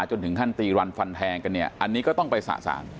จนถึงขั้นตีรันฟันแทงกันเนี่ยอันนี้ก็ต้องไปสะสาง